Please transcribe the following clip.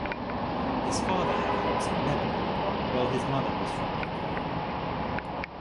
His father had roots in Lebanon while his mother was from Ukraine.